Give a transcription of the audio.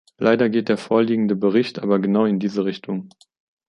Leider geht der vorliegende Bericht aber genau in diese Richtung.